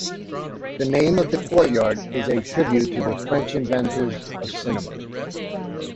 The name of the courtyard is a tribute to the French inventors of cinema.